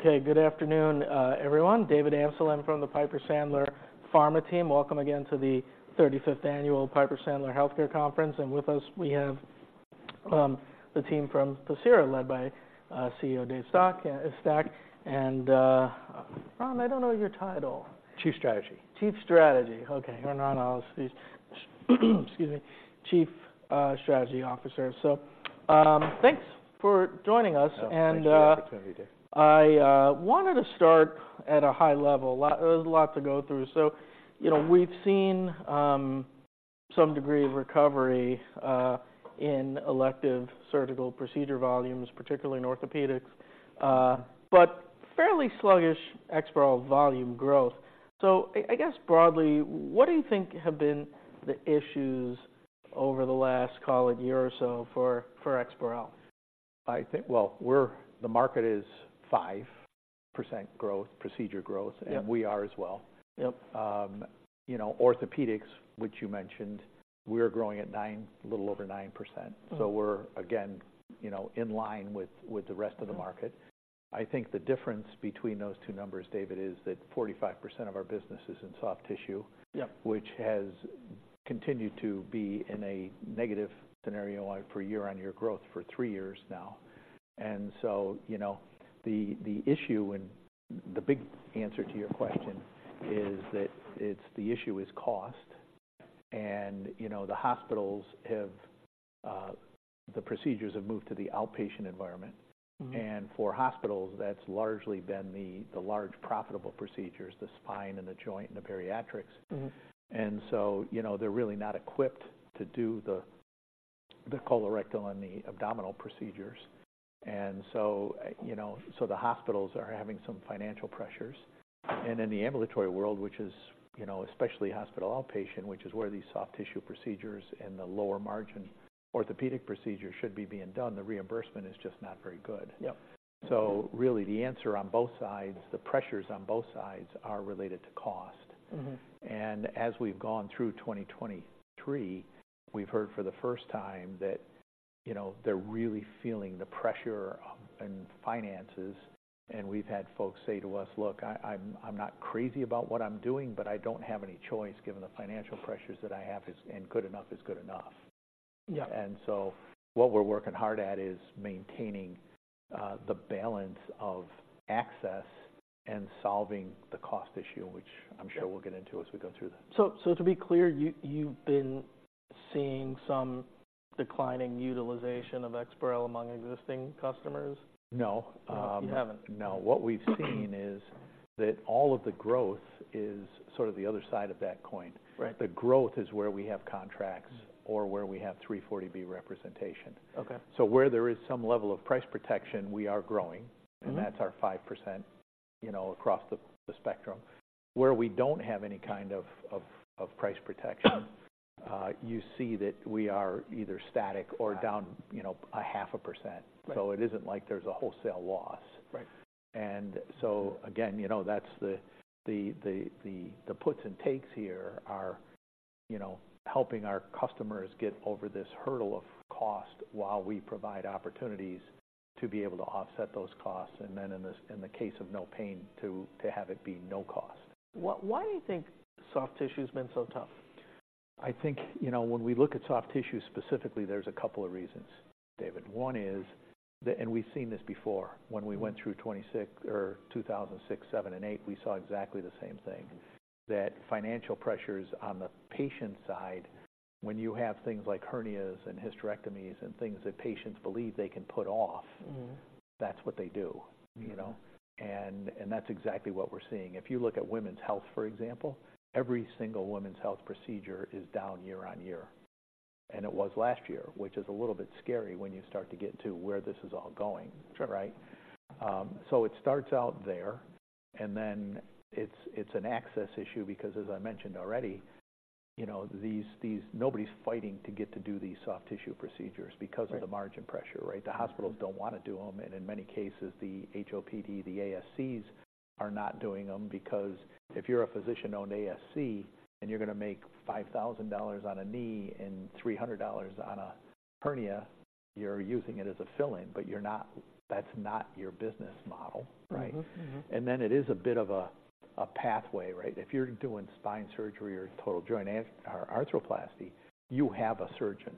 Okay, good afternoon, everyone. David Amsellem from the Piper Sandler Pharma team. Welcome again to the thirty-fifth annual Piper Sandler Healthcare Conference. And with us, we have the team from Pacira, led by CEO Dave Stack, and Ron, I don't know your title. Chief Strategy. Chief Strategy. Okay, Ron Ellis—excuse me, Chief Strategy Officer. So, thanks for joining us, and— Thank you for the opportunity, Dave. I wanted to start at a high level. There's a lot to go through. So, you know, we've seen some degree of recovery in elective surgical procedure volumes, particularly in orthopedics, but fairly sluggish EXPAREL volume growth. So I guess broadly, what do you think have been the issues over the last, call it, year or so for EXPAREL? I think. Well, the market is 5% growth, procedure growth. Yep. and we are as well. Yep. You know, orthopedics, which you mentioned, we're growing at 9%, a little over 9%. Mm-hmm. So we're again, you know, in line with the rest of the market. I think the difference between those two numbers, David, is that 45% of our business is in soft tissue- Yep which has continued to be in a negative scenario on for year-on-year growth for three years now. So, you know, the issue and the big answer to your question is that it's the issue is cost. You know, the hospitals have the procedures have moved to the outpatient environment. Mm-hmm. For hospitals, that's largely been the large profitable procedures, the spine and the joint and the bariatrics. Mm-hmm. So, you know, they're really not equipped to do the colorectal and the abdominal procedures. You know, so the hospitals are having some financial pressures. In the ambulatory world, which is, you know, especially hospital outpatient, which is where these soft tissue procedures and the lower margin orthopedic procedures should be being done, the reimbursement is just not very good. Yep. So really, the answer on both sides, the pressures on both sides are related to cost. Mm-hmm. As we've gone through 2023, we've heard for the first time that, you know, they're really feeling the pressure on in finances. We've had folks say to us, "Look, I'm not crazy about what I'm doing, but I don't have any choice given the financial pressures that I have. And good enough is good enough. Yeah. And so what we're working hard at is maintaining the balance of access and solving the cost issue, which- Sure I'm sure we'll get into as we go through that. So, to be clear, you've been seeing some declining utilization of EXPAREL among existing customers? No. Um- You haven't. No. What we've seen is that all of the growth is sort of the other side of that coin. Right. The growth is where we have contracts- Mm-hmm. - or where we have 340B representation. Okay. Where there is some level of price protection, we are growing- Mm-hmm - and that's our 5%, you know, across the spectrum. Where we don't have any kind of price protection, you see that we are either static or down- Right - you know, 0.5%. Right. So it isn't like there's a wholesale loss. Right. So, again, you know, that's the puts and takes here are, you know, helping our customers get over this hurdle of cost while we provide opportunities to be able to offset those costs, and then in this case of NOPAIN, to have it be no cost. Why, why do you think soft tissue's been so tough? I think, you know, when we look at soft tissue specifically, there's a couple of reasons, David. One is the And we've seen this before. Mm-hmm. When we went through 2006, or 2006, 2007, and 2008, we saw exactly the same thing, that financial pressures on the patient side, when you have things like hernias and hysterectomies and things that patients believe they can put off- Mm-hmm that's what they do, you know? Mm-hmm. And that's exactly what we're seeing. If you look at women's health, for example, every single women's health procedure is down year on year, and it was last year, which is a little bit scary when you start to get to where this is all going. Sure. Right? So it starts out there, and then it's an access issue because, as I mentioned already, you know, these - nobody's fighting to get to do these soft tissue procedures- Right because of the margin pressure, right? Mm-hmm. The hospitals don't wanna do them, and in many cases, the HOPD, the ASCs are not doing them because if you're a physician-owned ASC, and you're gonna make $5,000 on a knee and $300 on a hernia, you're using it as a fill-in, but you're not. That's not your business model, right? Mm-hmm. Mm-hmm. And then it is a bit of a pathway, right? If you're doing spine surgery or total joint or arthroplasty, you have a surgeon,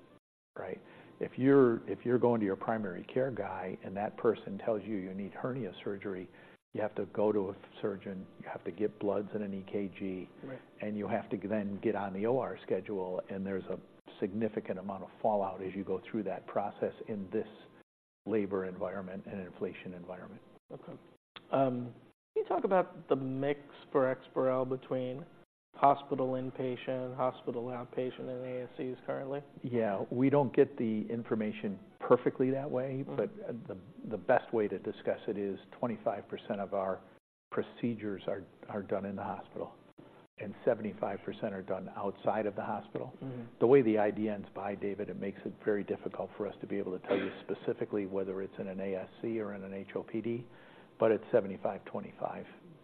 right? If you're going to your primary care guy, and that person tells you you need hernia surgery, you have to go to a surgeon, you have to get bloods and an EKG Right And you have to then get on the OR schedule, and there's a significant amount of fallout as you go through that process in this labor environment and inflation environment. Okay. Can you talk about the mix for EXPAREL between hospital inpatient, hospital outpatient, and ASCs currently? Yeah. We don't get the information perfectly that way. Mm-hmm. The best way to discuss it is 25% of our procedures are done in the hospital, and 75% are done outside of the hospital. Mm-hmm. The way the IDNs buy, David, it makes it very difficult for us to be able to tell you specifically whether it's in an ASC or in an HOPD, but it's 75-25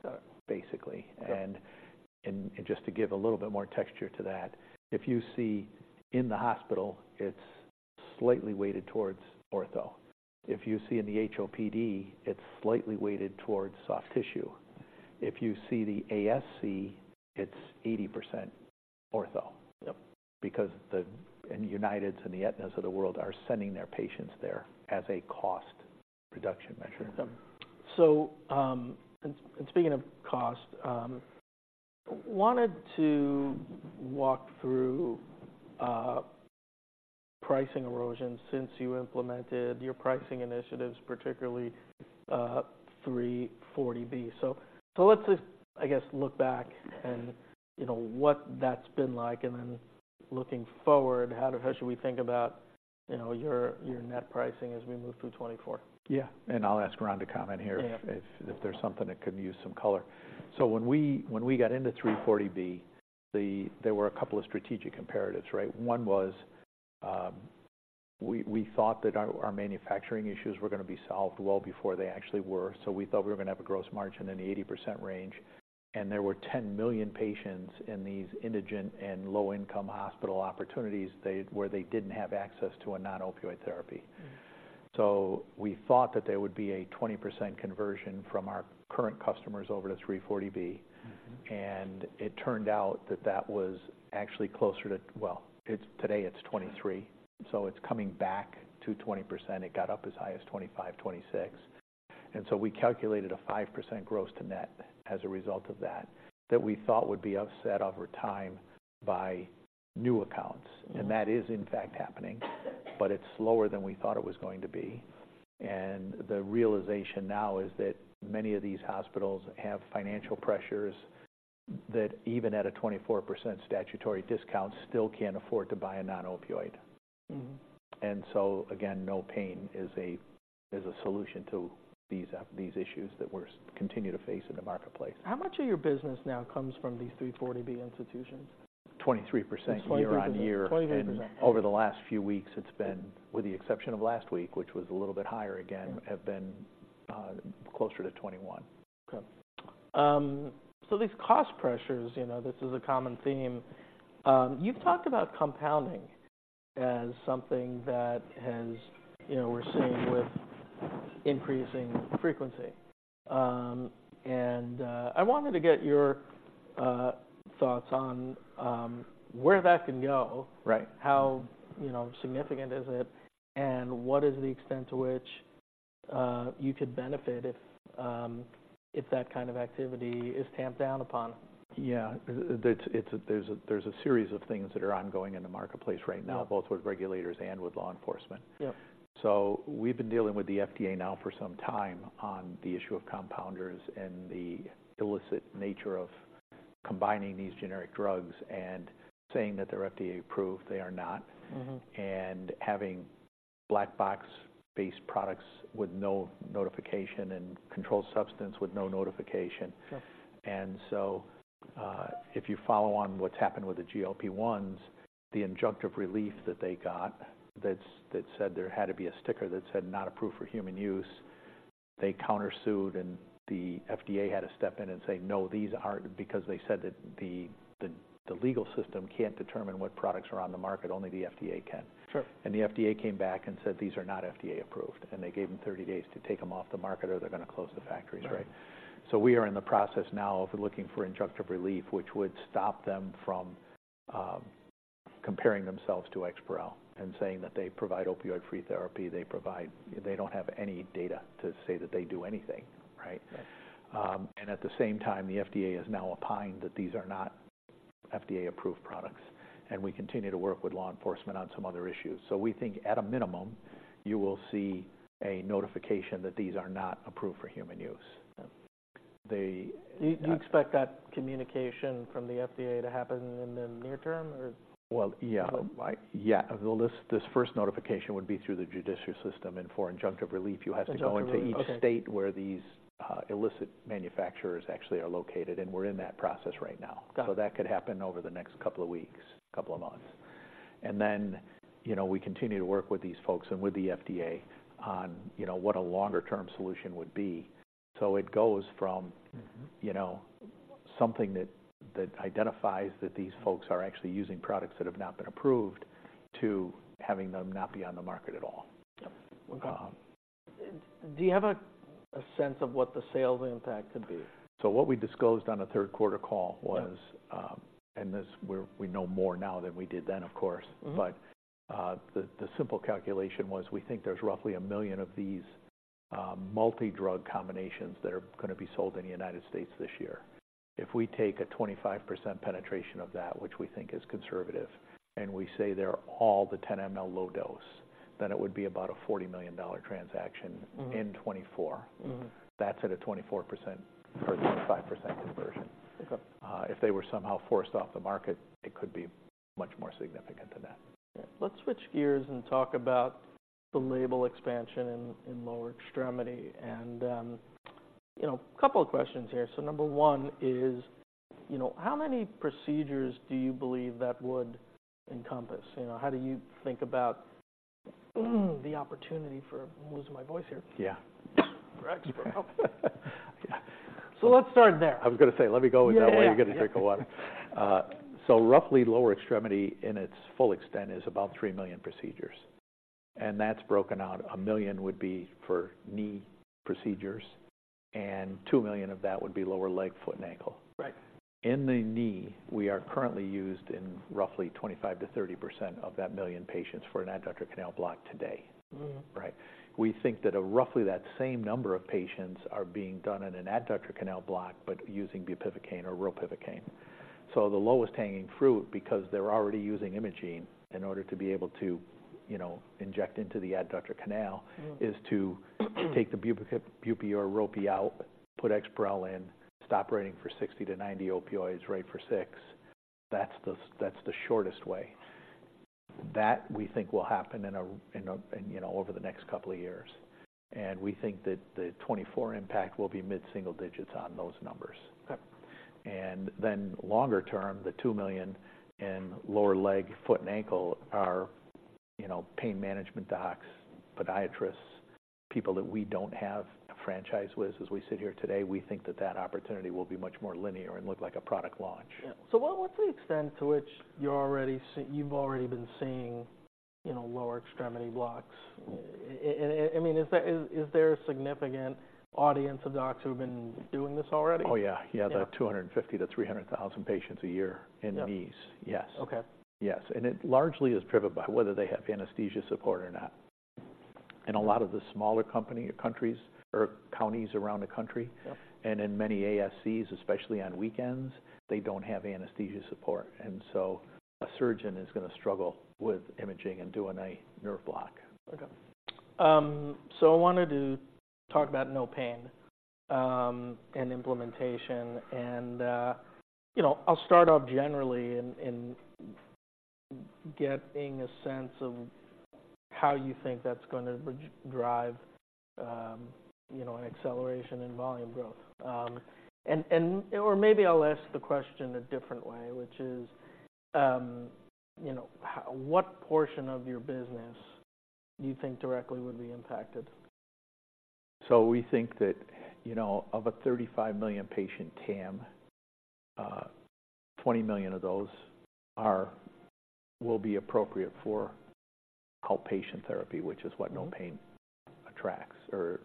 Got it basically. Okay. Just to give a little bit more texture to that, if you see in the hospital, it's slightly weighted towards ortho. If you see in the HOPD, it's slightly weighted towards soft tissue. If you see the ASC, it's 80% ortho. Yep. - because the Uniteds and the Aetnas of the world are sending their patients there as a cost reduction measure. Yep. So, speaking of cost, wanted to walk through pricing erosion since you implemented your pricing initiatives, particularly 340B. So, let's just, I guess, look back and, you know, what that's been like, and then looking forward, how should we think about, you know, your net pricing as we move through 2024? Yeah. I'll ask Ron to comment here. Yeah If there's something that could use some color. So when we got into 340B, there were a couple of strategic imperatives, right? One was, we thought that our manufacturing issues were gonna be solved well before they actually were. So we thought we were gonna have a gross margin in the 80% range, and there were 10 million patients in these indigent and low-income hospital opportunities, they where they didn't have access to a non-opioid therapy. Mm-hmm. So we thought that there would be a 20% conversion from our current customers over to 340B. Mm-hmm. It turned out that that was actually closer to well, it's today, it's 23, so it's coming back to 20%. It got up as high as 25, 26, and so we calculated a 5% gross to net as a result of that, that we thought would be offset over time by new accounts. Mm-hmm. That is in fact happening, but it's slower than we thought it was going to be. The realization now is that many of these hospitals have financial pressures, that even at a 24% statutory discount, still can't afford to buy a non-opioid. Mm-hmm. So, again, NOPAIN is a solution to these issues that we continue to face in the marketplace. How much of your business now comes from these 340B institutions? 23% year-over-year. Twenty-three percent. Over the last few weeks, it's been, with the exception of last week, which was a little bit higher, again Yeah Have been closer to 21. Okay. So these cost pressures, you know, this is a common theme. You've talked about compounding as something that has you know, we're seeing with increasing frequency. I wanted to get your thoughts on where that can go. Right. How, you know, significant is it, and what is the extent to which you could benefit if that kind of activity is tamped down upon? Yeah. It's a. There's a series of things that are ongoing in the marketplace right now- Yeah - both with regulators and with law enforcement. Yep. We've been dealing with the FDA now for some time on the issue of compounders and the illicit nature of combining these generic drugs and saying that they're FDA approved. They are not. Mm-hmm. Having black box-based products with no notification and controlled substance with no notification. Sure. And so, if you follow on what's happened with the GLP-1s, the injunctive relief that they got, that's, that said, there had to be a sticker that said, "Not approved for human use." They countersued, and the FDA had to step in and say, "No, these aren't," because they said that the legal system can't determine what products are on the market, only the FDA can. Sure. The FDA came back and said, "These are not FDA approved," and they gave them 30 days to take them off the market, or they're gonna close the factories, right? Right. We are in the process now of looking for injunctive relief, which would stop them from comparing themselves to EXPAREL and saying that they provide opioid-free therapy. They don't have any data to say that they do anything, right? Right. At the same time, the FDA is now opining that these are not FDA-approved products, and we continue to work with law enforcement on some other issues. We think at a minimum, you will see a notification that these are not approved for human use. Yeah. The- Do you expect that communication from the FDA to happen in the near term, or? Well, yeah. Like Yeah. The list-- This first notification would be through the judicial system, and for injunctive relief Injunctive, okay You have to go into each state where these illicit manufacturers actually are located, and we're in that process right now. Got it. That could happen over the next couple of weeks, couple of months. Then, you know, we continue to work with these folks and with the FDA on, you know, what a longer-term solution would be. It goes from Mm-hmm You know, something that identifies that these folks are actually using products that have not been approved, to having them not be on the market at all. Yep. Okay. Um- Do you have a sense of what the sales impact could be? What we disclosed on the third quarter call was Yeah And this, we're, we know more now than we did then, of course. Mm-hmm. But, the simple calculation was, we think there's roughly 1 million of these multi-drug combinations that are gonna be sold in the United States this year. If we take a 25% penetration of that, which we think is conservative, and we say they're all the 10 ml low dose, then it would be about a $40 million transaction Mm-hmm In 2024. Mm-hmm. That's at a 24% or 25% conversion. Okay. If they were somehow forced off the market, it could be much more significant than that. Yeah. Let's switch gears and talk about the label expansion in lower extremity. And, you know, a couple of questions here. So number 1 is, you know, how many procedures do you believe that would encompass? You know, how do you think about the opportunity for, I'm losing my voice here. Yeah. For Exparel. Yeah. So let's start there. I was gonna say, let me go with that while- Yeah. -you get a drink of water. So roughly, lower extremity in its full extent is about 3 million procedures, and that's broken out. 1 million would be for knee procedures, and 2 million of that would be lower leg, foot, and ankle. Right. In the knee, we are currently used in roughly 25%-30% of that 1 million patients for an adductor canal block today. Mm-hmm. Right. We think that roughly that same number of patients are being done in an adductor canal block, but using bupivacaine or ropivacaine. So the lowest hanging fruit, because they're already using imaging in order to be able to, you know, inject into the adductor canal- Mm is to take the bupivacaine, bupi, or ropi out, put EXPAREL in, stop writing for 60-90 opioids, write for 6. That's the, that's the shortest way. That we think will happen in a, in a, you know, over the next couple of years. And we think that the 2024 impact will be mid-single digits on those numbers. Okay. Then longer term, the 2 million in lower leg, foot, and ankle are, you know, pain management docs, podiatrists, people that we don't have a franchise with as we sit here today. We think that that opportunity will be much more linear and look like a product launch. Yeah. So what, what's the extent to which you've already been seeing, you know, lower extremity blocks? I mean, is there a significant audience of docs who have been doing this already? Oh, yeah. Yeah. Yeah, about 250,000-300,000 patients a year- Yeah in knees. Yes. Okay. Yes, and it largely is driven by whether they have anesthesia support or not. In a lot of the smaller communities, or countries, or counties around the country- Yep And in many ASCs, especially on weekends, they don't have anesthesia support, and so a surgeon is gonna struggle with imaging and doing a nerve block. Okay. So I wanted to talk about NOPAIN and implementation and, you know, I'll start off generally in getting a sense of how you think that's gonna drive, you know, an acceleration in volume growth. Or maybe I'll ask the question a different way, which is, you know, how. What portion of your business do you think directly would be impacted? So we think that, you know, of a 35 million patient TAM, 20 million of those will be appropriate for outpatient therapy, which is what the NOPAIN Act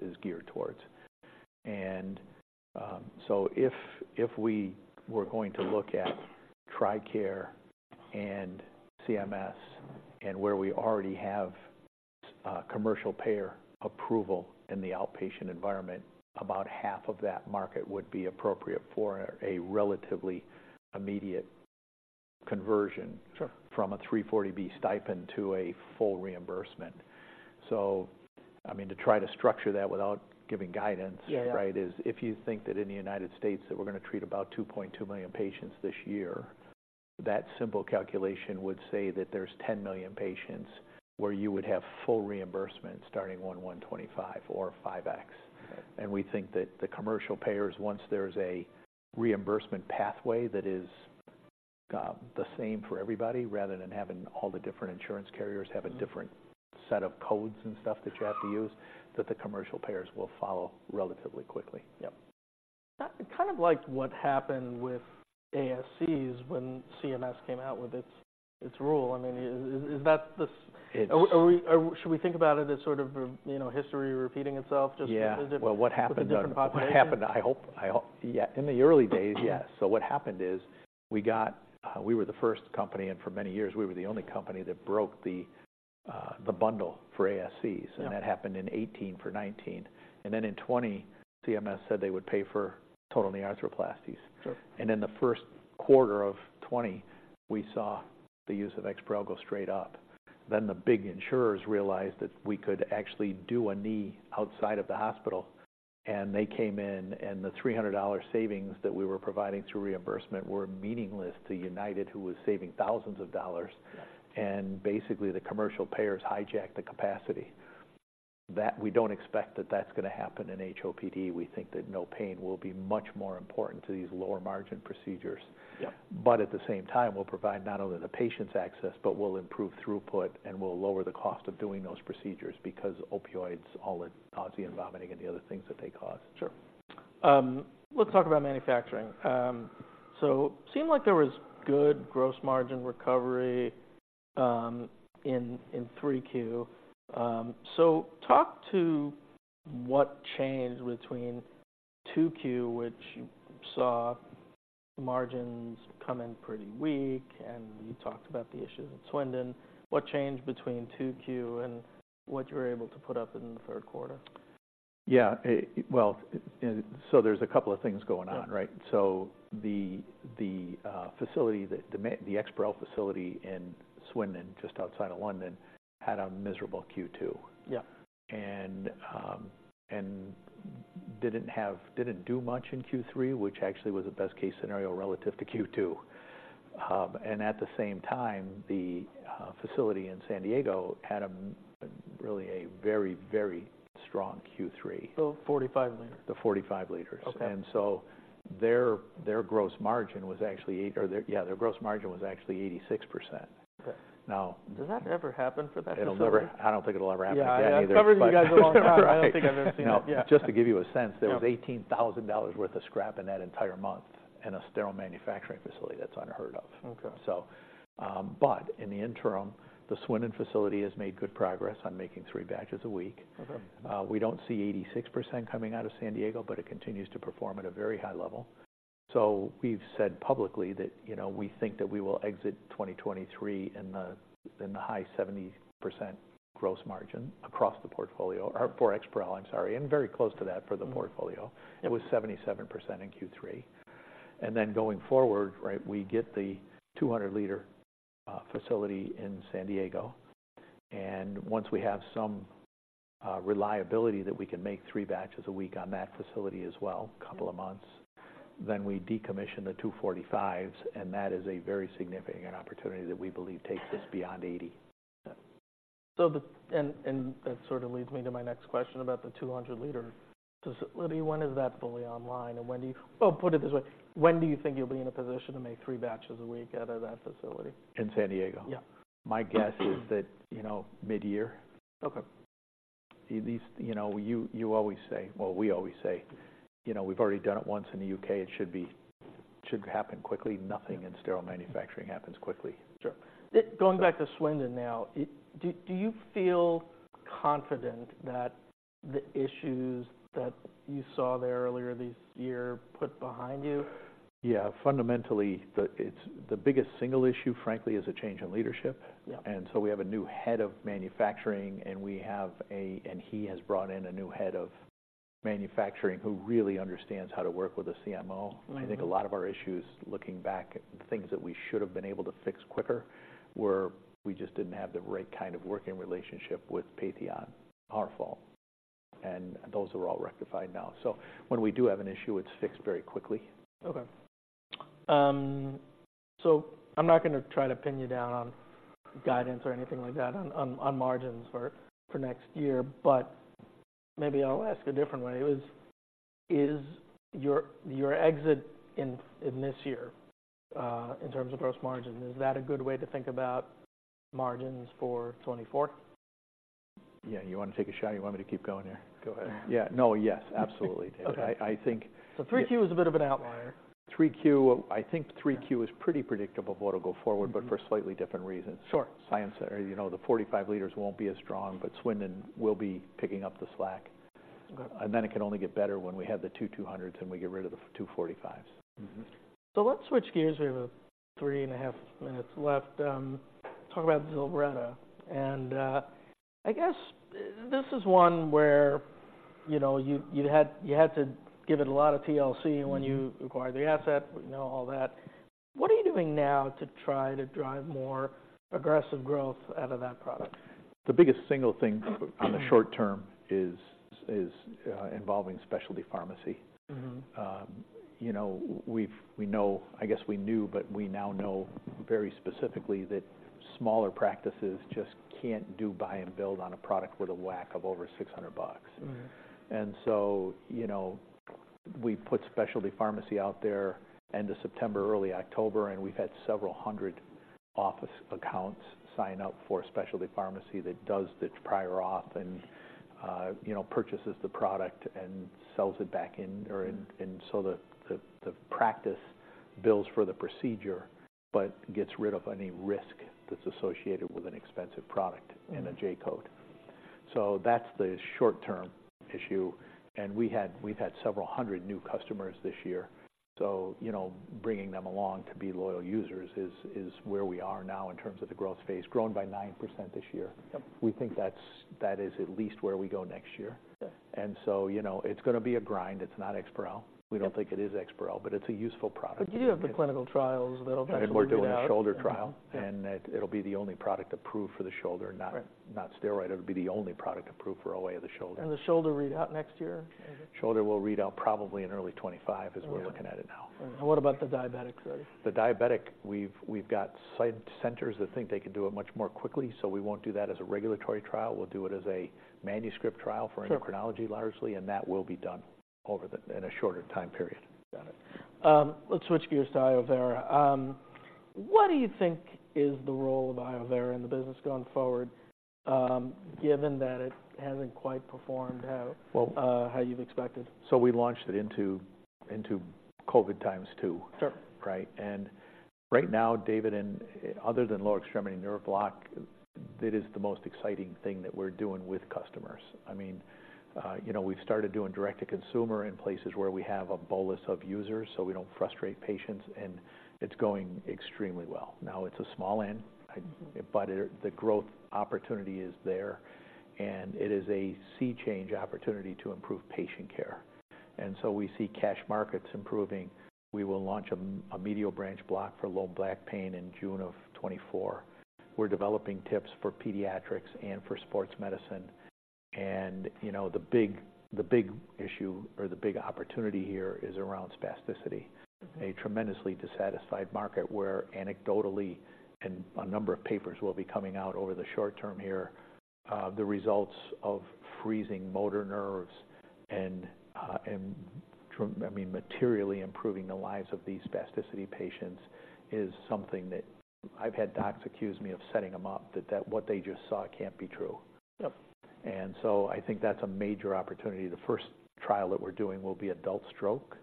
is geared towards. So if we were going to look at TRICARE and CMS and where we already have commercial payer approval in the outpatient environment, about half of that market would be appropriate for a relatively immediate conversion- Sure -from a 340B stipend to a full reimbursement. So, I mean, to try to structure that without giving guidance- Yeah, yeah Right, is if you think that in the United States, that we're gonna treat about 2.2 million patients this year, that simple calculation would say that there's 10 million patients where you would have full reimbursement starting on 1/25 or 5x. Okay. We think that the commercial payers, once there's a reimbursement pathway that is, the same for everybody, rather than having all the different insurance carriers- Mm-hmm have a different set of codes and stuff that you have to use, that the commercial payers will follow relatively quickly. Yep. Kind of like what happened with ASCs when CMS came out with its rule. I mean, is that the- It's- Are we or should we think about it as sort of, you know, history repeating itself just Yeah As a, with a different population? Well, what happened, I hope. Yeah, in the early days, yes. So what happened is we got, we were the first company, and for many years, we were the only company that broke the bundle for ASCs. Yeah. That happened in 2018-2019, and then in 2020, CMS said they would pay for total knee arthroplasties. Sure. In the first quarter of 2020, we saw the use of EXPAREL go straight up. Then the big insurers realized that we could actually do a knee outside of the hospital, and they came in, and the $300 savings that we were providing through reimbursement were meaningless to United, who was saving thousands of dollars. Yeah. Basically, the commercial payers hijacked the capacity. That, we don't expect that that's gonna happen in HOPD. We think that NOPAIN will be much more important to these lower-margin procedures. Yep. But at the same time, we'll provide not only the patients' access, but we'll improve throughput, and we'll lower the cost of doing those procedures because opioids, all the nausea and vomiting and the other things that they cause. Sure. Let's talk about manufacturing. So seemed like there was good gross margin recovery in Q3. So talk to what changed between Q2, which you saw margins come in pretty weak, and you talked about the issues in Swindon. What changed between Q2 and what you were able to put up in the third quarter? Yeah, well, so there's a couple of things going on Yeah Right? So the facility, the EXPAREL facility in Swindon, just outside of London, had a miserable Q2. Yeah. Didn't do much in Q3, which actually was a best-case scenario relative to Q2. And at the same time, the facility in San Diego had a really a very, very strong Q3. 45 liters? The 45 liters. Okay. Yeah, their gross margin was actually 86%. Okay. Now- Does that ever happen for that facility? I don't think it'll ever happen again, either. Yeah, I've covered you guys a long time. Right. I don't think I've ever seen that, yeah. No, just to give you a sense, there was $18,000 worth of scrap in that entire month in a sterile manufacturing facility. That's unheard of. Okay. In the interim, the Swindon facility has made good progress on making three batches a week. Okay. We don't see 86% coming out of San Diego, but it continues to perform at a very high level. So we've said publicly that, you know, we think that we will exit 2023 in the high 70% gross margin across the portfolio, or for EXPAREL, I'm sorry, and very close to that for the portfolio. Yeah. It was 77% in Q3. Then going forward, right, we get the 200-liter facility in San Diego, and once we have some reliability that we can make three batches a week on that facility as well, couple of months, then we decommission the two 45s, and that is a very significant opportunity that we believe takes us beyond 80. That sort of leads me to my next question about the 200-liter facility. When is that fully online, and when do you— Well, put it this way: When do you think you'll be in a position to make three batches a week out of that facility? In San Diego? Yeah. My guess is that, you know, mid-year. Okay. You know, you always say, well, we always say, "You know, we've already done it once in the U.K. It should happen quickly." Nothing in sterile manufacturing happens quickly. Sure. Going back to Swindon now, do you feel confident that the issues that you saw there earlier this year put behind you? Yeah, fundamentally, it's the biggest single issue, frankly, is a change in leadership. Yeah. And so we have a new head of manufacturing, and he has brought in a new head of manufacturing who really understands how to work with a CMO. Mm-hmm. I think a lot of our issues, looking back, things that we should have been able to fix quicker, were, we just didn't have the right kind of working relationship with Patheon, our fault, and those are all rectified now. So when we do have an issue, it's fixed very quickly. Okay. So I'm not gonna try to pin you down on guidance or anything like that on margins for next year, but maybe I'll ask a different way. Is your exit in this year in terms of gross margin a good way to think about margins for 2024? Yeah. You want to take a shot, or you want me to keep going here? Go ahead. Yeah. No, yes, absolutely, David. Okay. I think. 3Q is a bit of an outlier. 3Q. I think 3Q. Yeah Is pretty predictable going to go forward- Mm-hmm But for slightly different reasons. Sure. Diego, or, you know, the 45 liters won't be as strong, but Swindon will be picking up the slack. Okay. And then it can only get better when we have the two 200s and we get rid of the two 45s. Mm-hmm. So let's switch gears. We have 3.5 minutes left. Talk about ZILRETTA. I guess, this is one where, you know, you had to give it a lot of TLC Mm-hmm When you acquired the asset, we know all that. What are you doing now to try to drive more aggressive growth out of that product? The biggest single thing on the short term is involving specialty pharmacy. Mm-hmm. You know, we know, I guess we knew, but we now know very specifically that smaller practices just can't do buy and build on a product with a WAC of over $600 bucks. Mm-hmm. And so, you know, we put specialty pharmacy out there end of September, early October, and we've had several hundred office accounts sign up for a specialty pharmacy that does the prior auth and, you know, purchases the product and sells it back in or in- Mm. And so the practice bills for the procedure, but gets rid of any risk that's associated with an expensive product Mm-hmm And a J code. So that's the short-term issue. We've had several hundred new customers this year, so, you know, bringing them along to be loyal users is where we are now in terms of the growth phase, grown by 9% this year. Yep. We think that's, that is, at least where we go next year. Okay. And so, you know, it's gonna be a grind. It's not EXPAREL. Yeah. We don't think it is EXPAREL, but it's a useful product. But you have the clinical trials that'll kind of- We're doing the shoulder trial. Yeah. It'll be the only product approved for the shoulder, not Right Not steroid. It'll be the only product approved for OA of the shoulder. And the shoulder readout next year, maybe? Shoulder will read out probably in early 2025. Okay We're looking at it now. What about the diabetic study? The diabetic, we've got site centers that think they can do it much more quickly, so we won't do that as a regulatory trial. We'll do it as a manuscript trial for- Sure Endocrinology, largely, and that will be done in a shorter time period. Got it. Let's switch gears to iovera. What do you think is the role of iovera in the business going forward, given that it hasn't quite performed out- Well- How you've expected? We launched it into COVID times, too. Sure. Right? And right now, David, other than lower extremity nerve block, it is the most exciting thing that we're doing with customers. I mean, you know, we've started doing direct-to-consumer in places where we have a bolus of users, so we don't frustrate patients, and it's going extremely well. Now, it's a small end, but the growth opportunity is there, and it is a sea-change opportunity to improve patient care. And so we see cash markets improving. We will launch a medial branch block for low back pain in June of 2024. We're developing tips for pediatrics and for sports medicine. And, you know, the big, the big issue or the big opportunity here is around spasticity. Mm-hmm. A tremendously dissatisfied market, where anecdotally, and a number of papers will be coming out over the short term here, the results of freezing motor nerves and I mean, materially improving the lives of these spasticity patients, is something that I've had docs accuse me of setting them up, that what they just saw can't be true. Yep. I think that's a major opportunity. The first trial that we're doing will be adult stroke,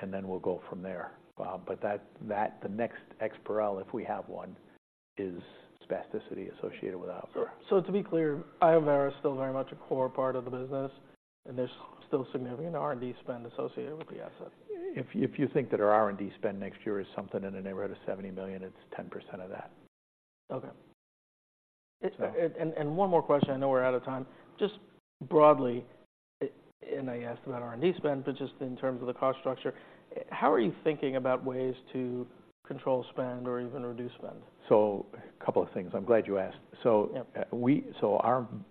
and then we'll go from there. But that, the next EXPAREL, if we have one, is spasticity associated with alcohol. Sure. So to be clear, iovera is still very much a core part of the business, and there's still significant R&D spend associated with the asset? If you think that our R&D spend next year is something in the neighborhood of $70 million, it's 10% of that. Okay. It's- Yeah. And one more question. I know we're out of time. Just broadly, it and I asked about R&D spend, but just in terms of the cost structure, how are you thinking about ways to control spend or even reduce spend? A couple of things. I'm glad you asked. Yeah. So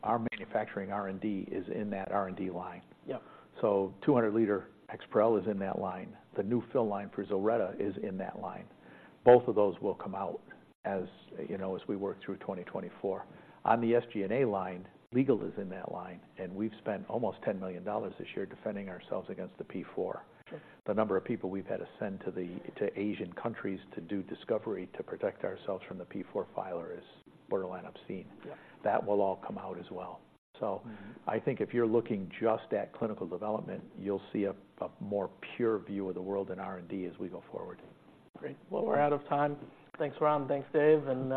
our manufacturing R&D is in that R&D line. Yeah. So 200-liter EXPAREL is in that line. The new fill line for ZILRETTA is in that line. Both of those will come out, as, you know, as we work through 2024. On the SG&A line, legal is in that line, and we've spent almost $10 million this year defending ourselves against the P IV. Sure. The number of people we've had to send to Asian countries to do discovery to protect ourselves from the P IV filer is borderline obscene. Yeah. That will all come out as well. Mm-hmm. So I think if you're looking just at clinical development, you'll see a more pure view of the world in R&D as we go forward. Great. Well, we're out of time. Thanks, Ron, thanks, Dave, and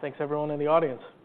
thanks everyone in the audience.